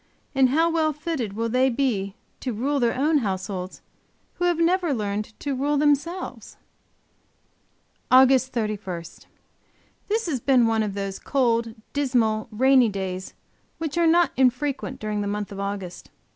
And how well fitted will they be to rule their own households who have never learned to rule themselves? AUG. 31. This has been one of those cold, dismal, rainy days which are not infrequent during the month of August.